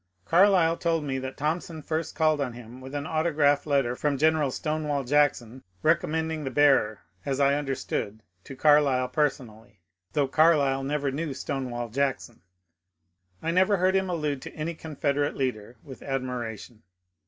Carlyle told me that Thompson first called on him with an autograph letter from General Stonewall Jackson recommending the bearer, as I understood, to Carlyle personally, though Carlyle never knew StonewaU Jackson. I never heard him allude to any Confederate leader with ad miration.